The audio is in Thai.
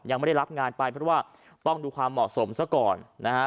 ยังไม่ได้รับงานไปเพราะว่าต้องดูความเหมาะสมซะก่อนนะฮะ